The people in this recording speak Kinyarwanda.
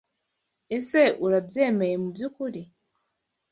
Ese Urabyemera mubyukuri?